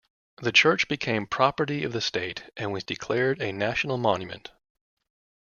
The church became property of the state and was declared a national monument.